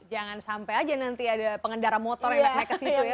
jangan sampai aja nanti ada pengendara motor yang naik naik ke situ ya